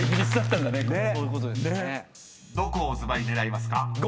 ［どこをずばり狙いますか？］